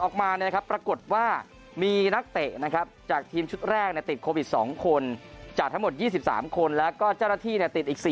ออกมาปรากฏว่ามีนักเตะนะครับจากทีมชุดแรกติดโควิด๒คนจากทั้งหมด๒๓คนแล้วก็เจ้าหน้าที่ติดอีก๔